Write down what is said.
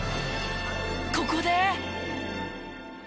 ここで。